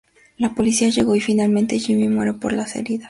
La policía llegó y, finalmente, Jimmy muere por las heridas.